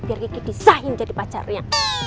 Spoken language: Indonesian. biar disahin jadi pacarnya